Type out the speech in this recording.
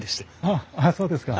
ああそうですか。